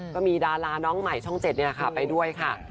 ก็มีดาราน้องใหม่ช่อง๗นี่แหละค่ะไปด้วยค่ะ